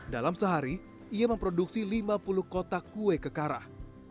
dalam sehari ia memproduksi lima puluh kotak kue kekarah